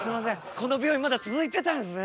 この病院まだ続いてたんですね。